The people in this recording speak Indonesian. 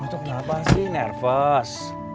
lu tuh kenapa sih nervous